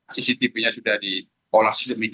cctv nya sudah diolah sedemikian